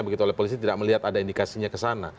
begitu oleh polisi tidak melihat ada indikasinya ke sana